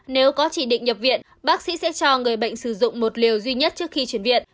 nếu có chỉ định nhập viện bác sĩ sẽ cho người bệnh sử dụng một liều duy nhất trước khi chuyển viện